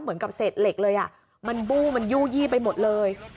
เหมือนกับเศษเหล็กเลยมันบู้มันยู่ยี่ไปหมดเลย